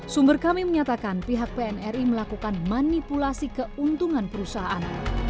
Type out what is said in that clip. sumber kami menyatakan pihak pnri melakukan manipulasi keuntungan perusahaan